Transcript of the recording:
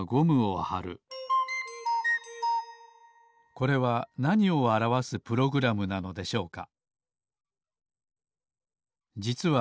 これはなにをあらわすプログラムなのでしょうか？